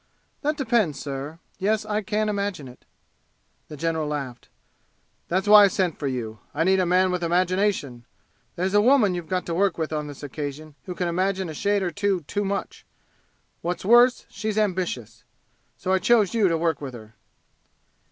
"That depends, sir. Yes, I can imagine it." The general laughed. "That's why I sent for you. I need a man with imagination! There's a woman you've got to work with on this occasion who can imagine a shade or two too much. What's worse, she's ambitious. So I chose you to work with her."